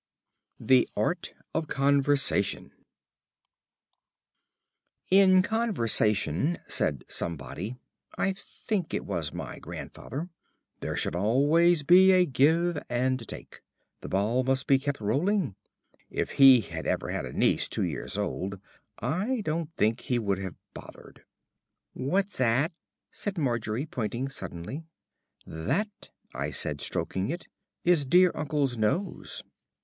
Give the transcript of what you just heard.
IV. THE ART OF CONVERSATION "In conversation," said somebody (I think it was my grandfather), "there should always be a give and take. The ball must be kept rolling." If he had ever had a niece two years old, I don't think he would have bothered. "What's 'at?" said Margery, pointing suddenly. "That," I said, stroking it, "is dear uncle's nose."